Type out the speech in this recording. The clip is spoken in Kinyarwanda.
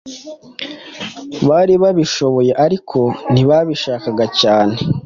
bari babishoboye ariko ntibabishakaga cyane.